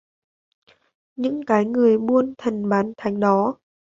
Những cái người buôn thần bán thánh đó